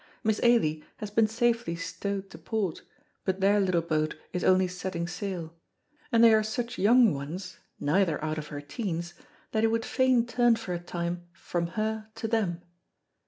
Miss Ailie has been safely stowed to port, but their little boat is only setting sail, and they are such young ones, neither out of her teens, that he would fain turn for a time from her to them.